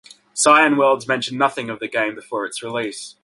Cyan Worlds mentioned nothing of the game before its release.